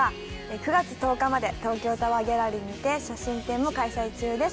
９月１０日まで東京タワーギャラリーにて写真展も開催中です。